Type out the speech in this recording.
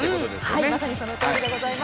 まさにそのとおりでございます。